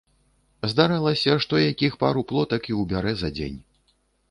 Здаралася, што якіх пару плотак і ўбярэ за дзень.